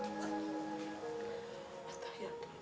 kan kita tuh bakal perok